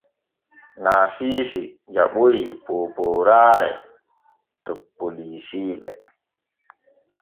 Naasiisi jaɓoy poopooraare to polisiiɓe.